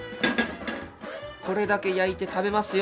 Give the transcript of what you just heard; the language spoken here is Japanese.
これだけ焼いて食べますよ！